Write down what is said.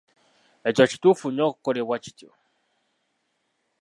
Ekyo kituufu nnyo okukolebwa kityo.